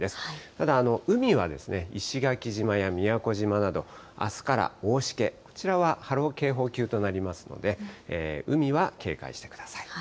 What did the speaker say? ただ、海は石垣島や宮古島など、あすから大しけ、こちらは波浪警報級となりますので、海は警戒してください。